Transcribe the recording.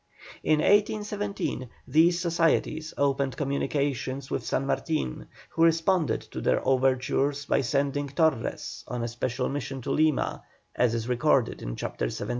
In 1817 these societies opened communication with San Martin, who responded to their overtures by sending Torres on a special mission to Lima, as is recorded in Chapter XVII.